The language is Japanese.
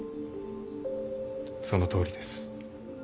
そのとおりです。